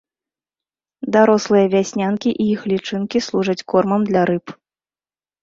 Дарослыя вяснянкі і іх лічынкі служаць кормам для рыб.